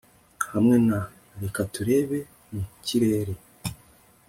hamwe na, 'reka turebe mu kirere